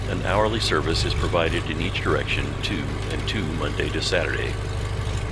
An hourly service is provided in each direction to and to Monday to Saturday.